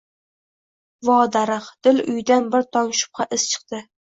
Vo darig‘, dil uyidan bir tong shubha — iz chiqdi.